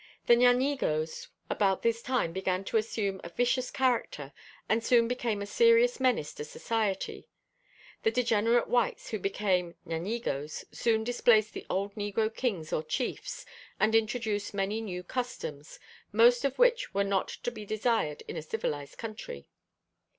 The Ñáñigos about this time began to assume a vicious character and soon became a serious menace to society; the degenerate whites who became Ñáñigos soon displaced the old negro kings or chiefs and introduced many new customs, most of which were not to be desired in a civilized country.